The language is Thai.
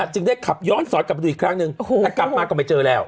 จึงได้ขับย้อนสอนกลับมาดูอีกครั้งหนึ่งแต่กลับมาก็ไม่เจอแล้ว